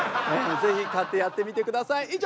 是非買ってやってみてください。